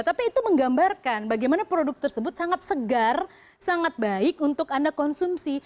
tapi itu menggambarkan bagaimana produk tersebut sangat segar sangat baik untuk anda konsumsi